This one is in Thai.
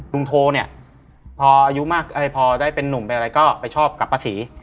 ลุงโทเนี่ยพออายุมากพอได้เป็นนุ่มไปอะไรก็ไปชอบกับประศรี